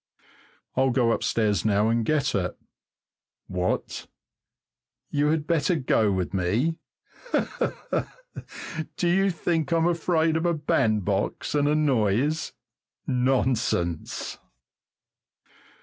I'll go upstairs now and get it. What? You had better go with me? Ha, ha! do you think I'm afraid of a bandbox and a noise? Nonsense!